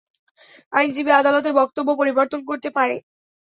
আইনজীবী আদালতে বক্তব্য পরিবর্তন করতে পারে।